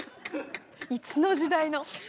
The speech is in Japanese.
いつの時代の。